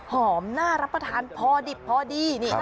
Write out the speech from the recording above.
น่ารับประทานพอดิบพอดี